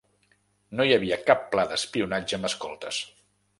No hi havia cap pla d’espionatge amb escoltes.